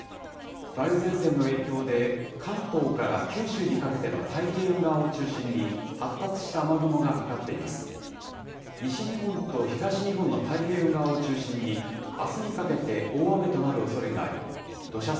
梅雨前線の影響で、関東から九州にかけての太平洋側を中心に、発達した雨雲がかかっています。